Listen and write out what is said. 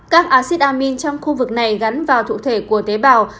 các acid amine trong khu vực này gắn vào thụ thể của tế bào